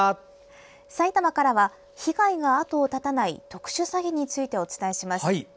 さいたまからは被害が後を絶たない特殊詐欺について、お伝えします。